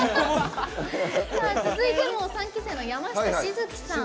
続いても３期生の山下瞳月さん。